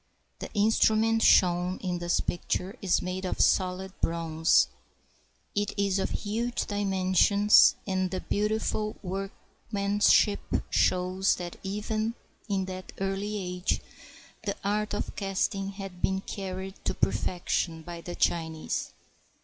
The instrument shown in this picture is made of solid bronze. It is of huge dimensions, and the beautiful workman ship shows that even in that early age the art of casting had been carried to perfection by the Chinese.